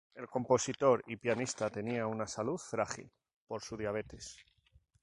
El compositor y pianista tenía una salud frágil, por su diabetes.